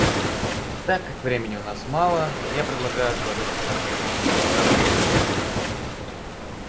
Так как времени у нас мало, я предлагаю отложить остальные пункты до второго чтения.